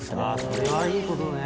それはいいことね。